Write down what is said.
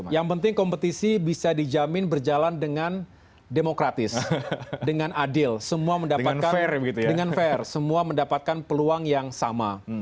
yang penting kompetisi bisa dijamin berjalan dengan demokratis dengan adil semua mendapatkan peluang yang sama